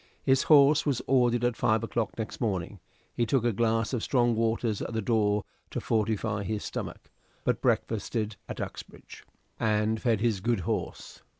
His horse was ordered at five o'clock next morning. He took a glass of strong waters at the door to fortify his stomach, but breakfasted at Uxbridge, and fed his good horse.